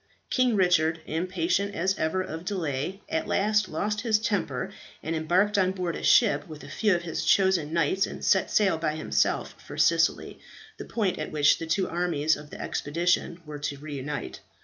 King Richard, impatient as ever of delay, at last lost his temper, and embarked on board a ship with a few of his chosen knights, and set sail by himself for Sicily, the point at which the two armies of the expedition were to re unite.